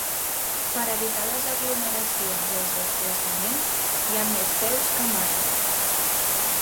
Per evitar les aglomeracions i els desplaçaments, hi ha més seus que mai.